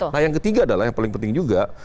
nah yang ketiga adalah yang paling penting juga